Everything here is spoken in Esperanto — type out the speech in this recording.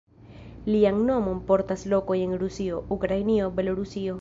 Lian nomon portas lokoj en Rusio, Ukrainio, Belorusio.